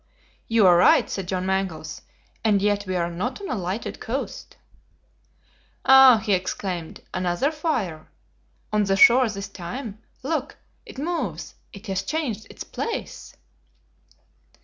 "You are right," said John Mangles, "and yet we are not on a lighted coast." "Ah!" he exclaimed, "another fire? On the shore this time! Look! It moves! It has changed its place!"